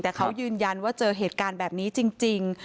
แต่เขายืนยันว่าเจอเหตุการณ์แบบนี้จริง